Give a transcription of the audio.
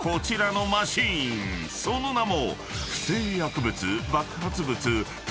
［その名も］